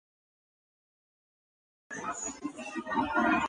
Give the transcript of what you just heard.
Fliegerkorps, the newly formed command for the expanding German airborne forces.